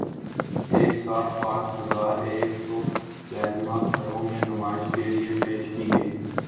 ایک ساتھ پانچ ہزار ایک سو سینما گھروں میں نمائش کے لیے پیش کی گئی